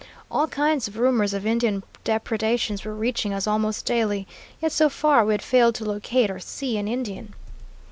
All kinds of rumors of Indian depredations were reaching us almost daily, yet so far we had failed to locate or see an Indian.